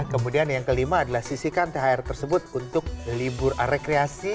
kemudian yang kelima adalah sisikan terakhir tersebut untuk rekreasi